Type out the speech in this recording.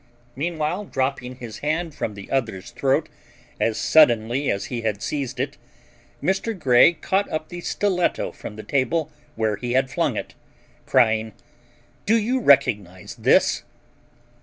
Meanwhile, dropping his hand from the other's throat as suddenly as he had seized it, Mr. Grey caught up the stiletto from the table where he had flung it, crying: "Do you recognize this?"